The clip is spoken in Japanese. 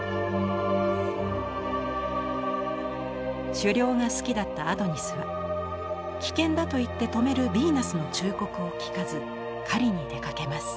狩猟が好きだったアドニスは危険だと言って止めるヴィーナスの忠告を聞かず狩りに出かけます。